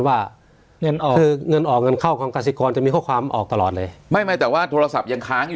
ไม่ค่ะโทรศัพท์ก็ใช้ไม่ได้เลยก็ใช้ไม่ได้อยู่หรอใช่ค่ะ